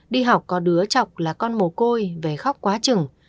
đi học có đứa chọc là con mồ côi về khóc quá trừng